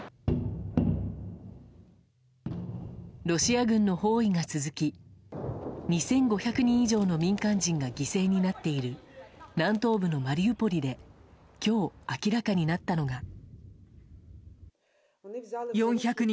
ロシア軍の包囲が続き２５００人以上の民間人が犠牲になっている南東部のマリウポリで今日、明らかになったのが。